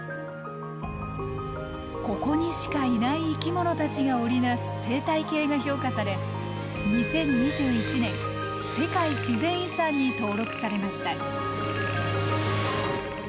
ここにしかいない生き物たちが織りなす生態系が評価され２０２１年世界自然遺産に登録されました。